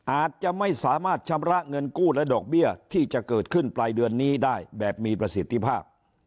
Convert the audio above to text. อาจจะไม่สามารถชำระเงินกู้และดอกเบี้ยที่จะเกิดขึ้นปลายเดือนนี้ได้แบบมีประสิทธิภาพ